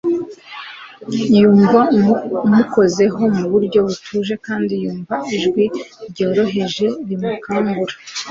yumva umukozeho mu buryo butuje kandi yumva nijwi ryoroheje rimukangura